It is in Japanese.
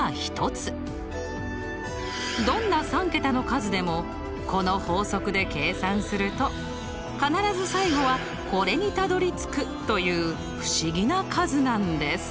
どんな３けたの数でもこの法則で計算すると必ず最後はこれにたどりつくという不思議な数なんです。